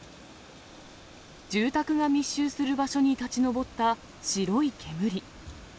住宅が密集する場所に立ち上った白い煙。